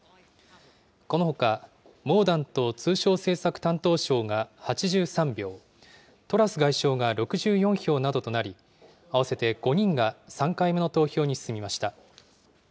このほか、モーダント通商政策担当相が８３票、トラス外相が６４票などとなり、合わせて５人が３回目の投票に進みました。